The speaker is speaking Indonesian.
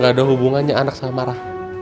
gak ada hubungannya anak sama rah